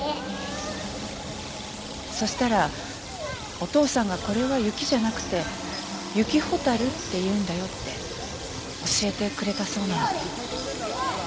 そしたらお父さんがこれは雪じゃなくて雪螢って言うんだよって教えてくれたそうなの。